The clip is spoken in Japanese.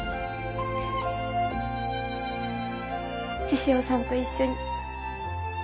獅子王さんと一緒に。